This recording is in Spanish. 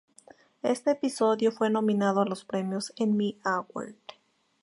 Este episodio fue nominado a los premios Emmy Award.